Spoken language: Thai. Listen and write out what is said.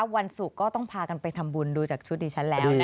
วันศุกร์ก็ต้องพากันไปทำบุญดูจากชุดดิฉันแล้ว